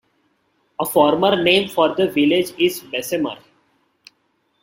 A former name for the village is Bessemer.